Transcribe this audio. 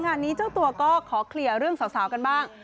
งานนี้เจ้าตัวก็ขอเคลียร์เรื่องสาวกันบ้าง